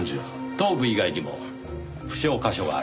頭部以外にも負傷箇所があります。